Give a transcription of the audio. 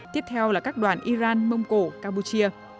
tiếp theo là các đoàn iran mông cổ campuchia